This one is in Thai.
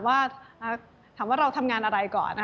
ว่าถามว่าเราทำงานอะไรก่อน